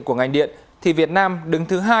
của ngành điện thì việt nam đứng thứ hai